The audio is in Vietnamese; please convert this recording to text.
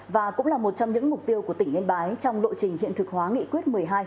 và cũng là một trong những mục tiêu của tỉnh yên bái trong lộ trình hiện thực hóa nghị quyết một mươi hai